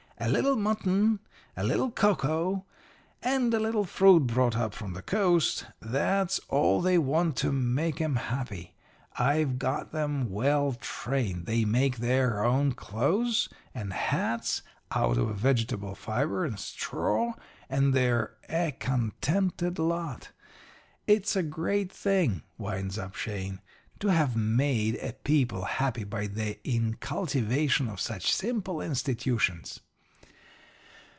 A little mutton, a little cocoa, and a little fruit brought up from the coast that's all they want to make 'em happy. I've got 'em well trained. They make their own clothes and hats out of a vegetable fibre and straw, and they're a contented lot. It's a great thing,' winds up Shane, 'to have made a people happy by the incultivation of such simple institutions.'